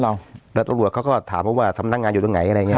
แล้วตำรวจเขาก็ถามเขาว่าสำนักงานอยู่ตรงไหนอะไรอย่างเง